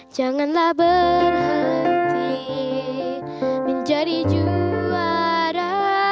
janganlah berhenti menjadi juara